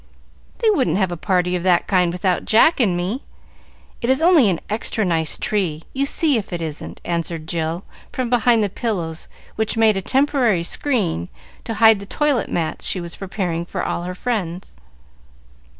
"They wouldn't have a party of that kind without Jack and me. It is only an extra nice tree, you see if it isn't," answered Jill from behind the pillows which made a temporary screen to hide the toilet mats she was preparing for all her friends.